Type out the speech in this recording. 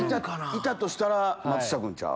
いたとしたら松下君ちゃう？